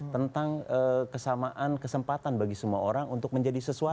tentang kesamaan kesempatan bagi semua orang untuk menjadi sesuatu